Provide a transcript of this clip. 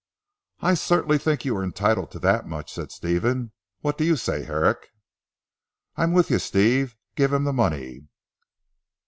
"I certainly think you are entitled to that much," said Stephen, "what do you say, Herrick?" "I'm with you, Steve. Give him the money."